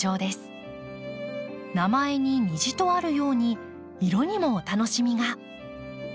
名前に「虹」とあるように色にもお楽しみが。